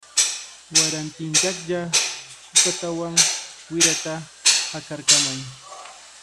Warantinyaqlla kukatawan wirata haqarkamay.